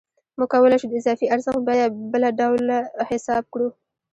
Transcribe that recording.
موږ کولای شو د اضافي ارزښت بیه بله ډول حساب کړو